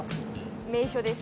名所です。